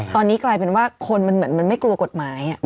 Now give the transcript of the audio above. ตอนนี้กลายเป็นว่าคนมันเหมือนมันไม่กลัวกฎหมาย